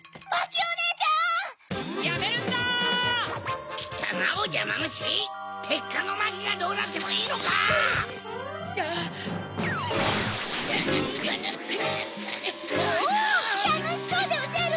おぉたのしそうでおじゃる。